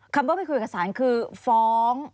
คำว่าไปคุยกับสารคือฟ้อง